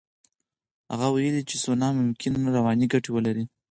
هغه ویلي چې سونا ممکن رواني ګټې ولري.